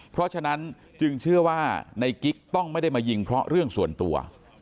เพราะฉะนั้นจึงเชื่อว่าในกิ๊กต้องไม่ได้มายิงเพราะเรื่องส่วนตัว